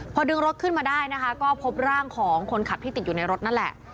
พอดึงรถขึ้นมาได้นะคะก็พบร่างของคนขับที่ติดอยู่ในรถนั่นแหละ